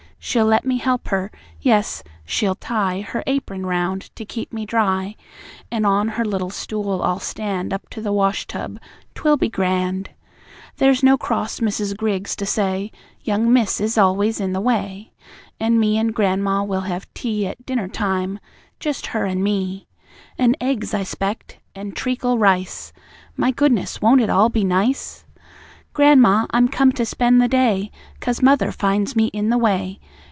She'll let me help her. Yes, she'll tie Her apron round to keep me dry; An' on her little stool I'll stand Up to the wash tub. 'Twill be grand! There's no cross Mrs. Griggs to say, 'Young Miss is always in the way.' An' me and gran'ma will have tea At dinner time just her an' me An' eggs, I 'spect, an' treacle rice. My goodness! Won't it all be nice? "Gran'ma, I'm come to spend the day, 'Cause mother finds me in the way.